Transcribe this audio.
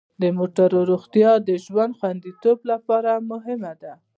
د موټرو روغتیا د ژوند خوندیتوب لپاره مهمه ده.